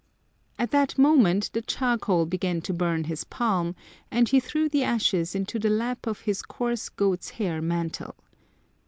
"^ At that moment the charcoal began to burn his palm, and he threw the ashes into the lap of his coarse goat's hair mantle.